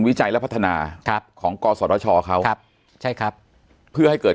วิจัยและพัฒนาครับของกศชเขาครับใช่ครับเพื่อให้เกิด